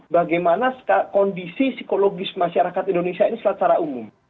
bagaimana kondisi psikologis masyarakat indonesia ini secara umum